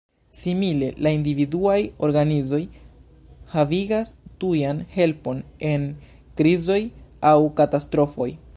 Simile, la individuaj organizoj havigas tujan helpon en krizoj aŭ katastrofoj.